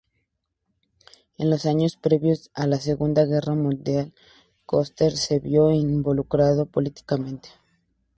En los años previos a la segunda guerra mundial, Coster se vio involucrado políticamente.